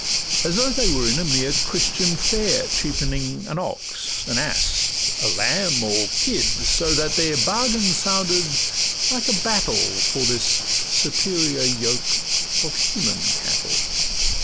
As though they were in a mere Christian fair Cheapening an ox, an ass, a lamb, or kid; So that their bargain sounded like a battle For this superior yoke of human cattle.